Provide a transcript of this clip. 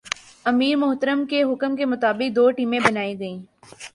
امیر محترم کے حکم کے مطابق دو ٹیمیں بنائی گئیں ۔